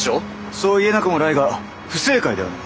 そう言えなくもないが不正解ではない。